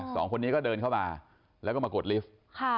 สองคนนี้ก็เดินเข้ามาแล้วก็มากดลิฟต์